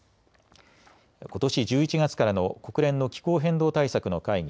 ことし１１月からの国連の気候変動対策の会議